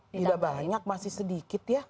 tidak banyak masih sedikit ya